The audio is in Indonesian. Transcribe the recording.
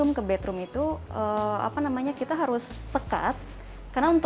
namun bolong bolong dan tidak tertutup secara kondisional